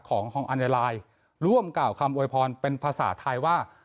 ของฮองอัญญาไลน์ร่วมกล่าวคำโวยพรเป็นภาษาไทยว่า